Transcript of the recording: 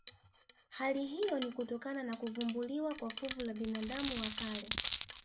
Hali hiyo ni kutokana na kuvumbuliwa kwa fuvu la binadamu wa kale